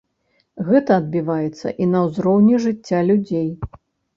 Гэта адбіваецца і на ўзроўні жыцця людзей.